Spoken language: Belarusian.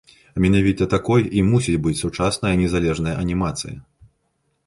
Менавіта такой і мусіць быць сучасная незалежная анімацыя.